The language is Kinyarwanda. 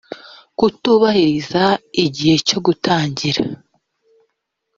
kutubahiriza igihe cyo gutangira